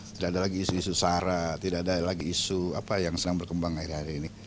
tidak ada lagi isu isu sahara tidak ada lagi isu yang senang berkembang hari hari ini